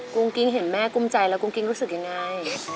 กุ้งกิ๊งเห็นแม่กุ้มใจแล้วกุ้งกิ๊งรู้สึกยังไง